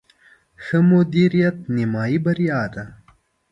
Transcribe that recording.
ښه مدیریت، نیمایي بریا ده